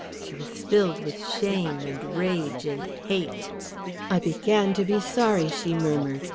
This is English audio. She was filled with shame and rage and hate. "I began to be sorry," she murmured.